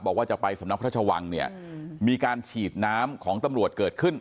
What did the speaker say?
บอกว่าจะไปสำนักพระชวังเนี่ยมีการฉีดน้ำของตำรวจเกิดขึ้น